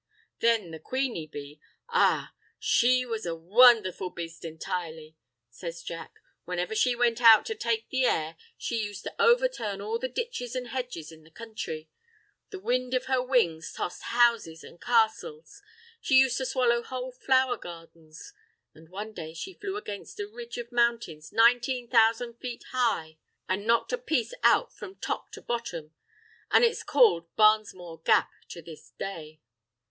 Then the queeny bee—ah! she was a wondherful baste entirely!" says Jack. "Whenever she went out to take the air she used to overturn all the ditches and hedges in the country; the wind of her wings tossed houses and castles; she used to swallow whole flower gardens; an' one day she flew against a ridge of mountains nineteen thousand feet high and knocked a piece out from top to bottom, an' it's called Barnesmore Gap to this day.